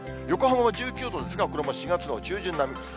横浜も１９度ですが、これも４月の中旬並み。